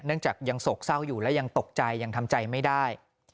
จากยังโศกเศร้าอยู่และยังตกใจยังทำใจไม่ได้